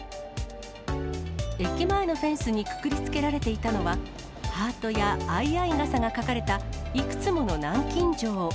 駅前のフェンスにくくりつけられていたのは、ハートや相合い傘が書かれたいくつもの南京錠。